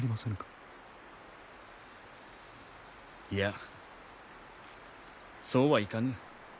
いやそうはいかぬ。